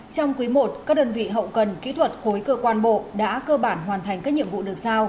trong quý i các đơn vị hậu cần kỹ thuật khối cơ quan bộ đã cơ bản hoàn thành các nhiệm vụ được sao